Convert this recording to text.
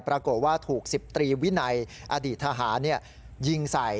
ปรากฏว่าถูก๑๐ตรีวินัยอดีตทหารยิงใส่